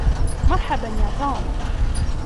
مرحبا يا توم.